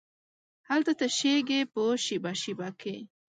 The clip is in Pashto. هلته تشېږې په شیبه، شیبه کې